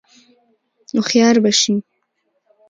هوښیار به شې !